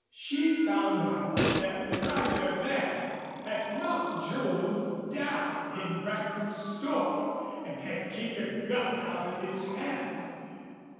She found out that the rider Van had knocked Joel down in Brackton's store and had kicked a gun out of his hand.